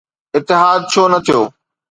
اتحاد ڇو نه ٿيو؟